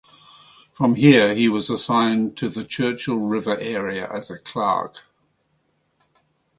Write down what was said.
From there, he was assigned to the Churchill River area as a clerk.